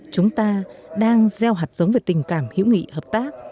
chúng ta đang gieo hạt giống về tình cảm hữu nghị hợp tác